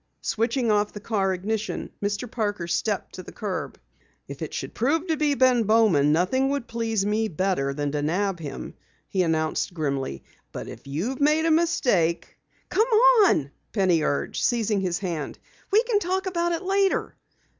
Switching off the car ignition, Mr. Parker stepped to the curb. "If it should prove to be Ben Bowman, nothing would please me better than to nab him," he announced grimly. "But if you've made a mistake " "Come on," Penny urged, seizing his hand. "We can talk about it later."